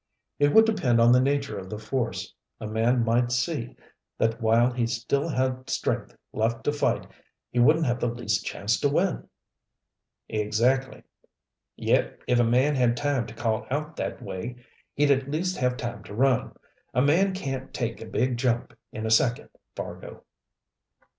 "It would depend on the nature of the force. A man might see that while he still had strength left to fight, he wouldn't have the least chance to win." "Exactly. Yet if a man had time to call out that way, he'd at least have time to run. A man can take a big jump in a second, Fargo."